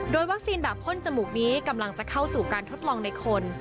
โดยวัคซีนแบบพ่นจมูกนี้กำลังจะเข้าสู่การทดลองในคน